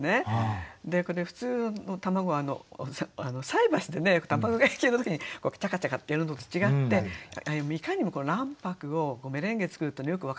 これ普通卵菜箸で卵焼きの時にチャカチャカってやるのと違っていかにも卵白をメレンゲ作るってよく分かったんですね。